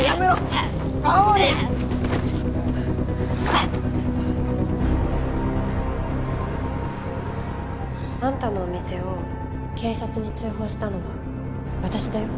葵！ねえ！あんたのお店を警察に通報したのは私だよ。